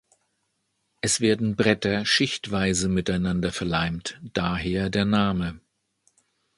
Es werden Bretter schichtweise miteinander verleimt, daher der Name.